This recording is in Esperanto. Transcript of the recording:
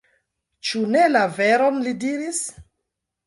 Ĉu ne la veron li diris?